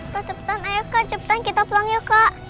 kak cepetan ayo kak cepetan kita pulang yuk kak